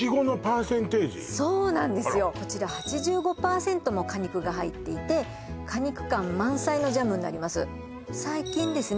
そうなんですよこちら８５％も果肉が入っていて果肉感満載のジャムになります最近ですね